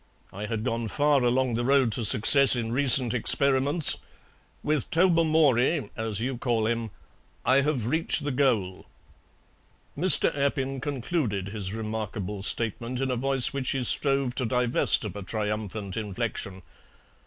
I had gone far along the road to success in recent experiments; with Tobermory, as you call him, I have reached the goal." Mr. Appin concluded his remarkable statement in a voice which he strove to divest of a triumphant inflection.